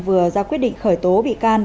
vừa ra quyết định khởi tố bị can